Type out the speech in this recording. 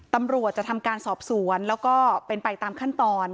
ตำรวจจะทำการสอบสวนแล้วก็เป็นไปตามขั้นตอน